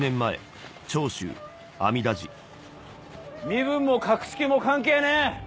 身分も格式も関係ねえ！